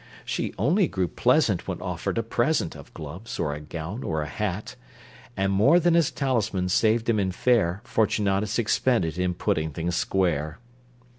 She only grew pleasant, When offered a present Of gloves or a gown or a hat: And more than his talisman saved him in fare Fortunatus expended in putting things square!